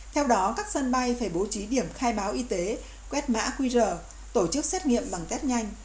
theo đó các sân bay phải bố trí điểm khai báo y tế quét mã qr tổ chức xét nghiệm bằng test nhanh